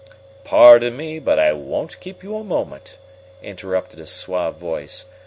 "Pardon me, but I won't keep you a moment," interrupted a suave voice.